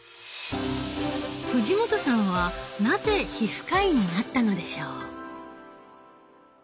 藤本さんはなぜ皮膚科医になったのでしょう？